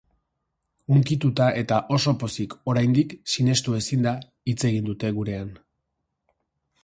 Hunkituta eta oso pozik, oraindik sinestu ezinda, hitz egin dute gurean.